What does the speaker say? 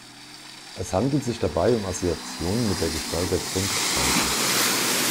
Es handelt sich dabei um Assoziationen mit der Gestalt der Grundzeichen.